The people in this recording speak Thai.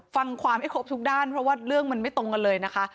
ฟังความให้ครบทุกด้านเพราะว่าเรื่องมันไม่ตรงกันเลยนะคะ